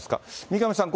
三上さん、